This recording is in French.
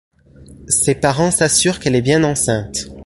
Ses parents s'assurent qu'elle est bien enceinte.